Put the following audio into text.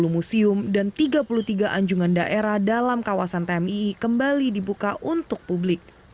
sepuluh museum dan tiga puluh tiga anjungan daerah dalam kawasan tmii kembali dibuka untuk publik